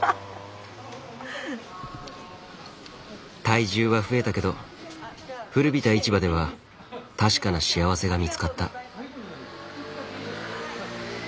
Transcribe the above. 体重は増えたけど古びた市場では確かな幸せが見つかった。